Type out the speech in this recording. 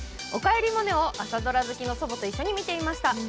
「おかえりモネ」を朝ドラ好きの祖母と見ていました。